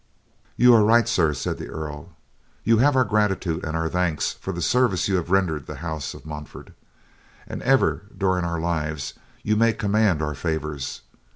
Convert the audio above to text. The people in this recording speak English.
"You are right, sir," said the Earl, "you have our gratitude and our thanks for the service you have rendered the house of Montfort, and ever during our lives you may command our favors.